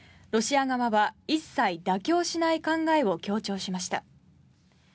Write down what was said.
ロシア側は一切妥協しない考えを強調しました。